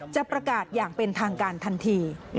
จะประกาศอย่างเป็นทางการทันที